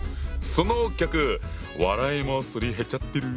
そのギャグ笑いもすり減っちゃってる？